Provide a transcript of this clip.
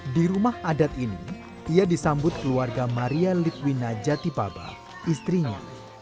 di rumah adat ini ia disambut keluarga maria litwina jatipaba istrinya